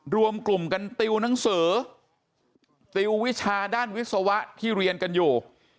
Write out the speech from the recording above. รวมกลุ่มกันติวหนังสือติววิชาด้านวิศวะที่เรียนกันอยู่